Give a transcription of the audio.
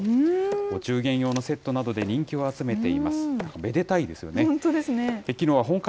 お中元用のセットなどで、人気を本当ですね。